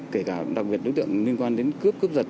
kể cả đặc biệt đối tượng liên quan đến cướp cướp giật